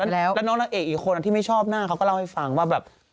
แล้วน้องนางเอกอีกคนที่ไม่ชอบหน้าเขาก็เล่าให้ฟังว่าแบบ